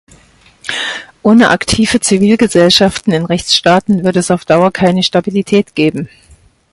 Ohne aktive Zivilgesellschaften in Rechtsstaaten wird es auf Dauer keine Stabilität geben.